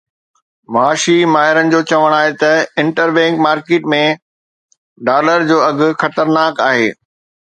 معاشي ماهرن جو چوڻ آهي ته انٽر بئنڪ مارڪيٽ ۾ ڊالر جو اگهه خطرناڪ آهي